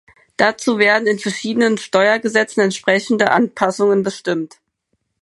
Dazu werden in verschiedenen Steuergesetzen entsprechende Anpassungen bestimmt.